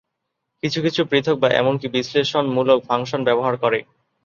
কিছু কিছু পৃথক বা এমনকি বিশ্লেষণমূলক ফাংশন ব্যবহার করে।